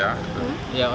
ya orang berapa pak